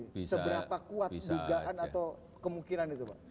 seberapa kuat dugaan atau kemungkinan itu pak